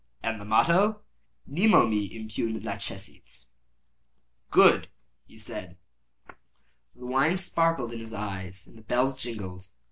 "And the motto?" "Nemo me impune lacessit." "Good!" he said. The wine sparkled in his eyes and the bells jingled.